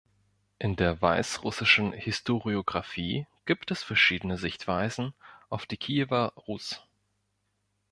In der weißrussischen Historiographie gibt es verschiedene Sichtweisen auf die Kiewer Rus.